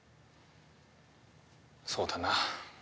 そうだな。